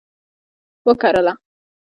وکرله